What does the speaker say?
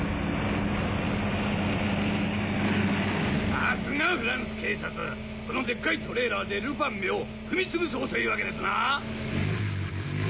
さすがフランス警察このでっかいトレーラーでルパンめを踏みつぶそうというわけですな！